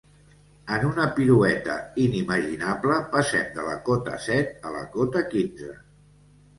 En una pirueta inimaginable, passem de la cota set a la cota quinze.